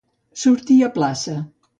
Sortir a plaça.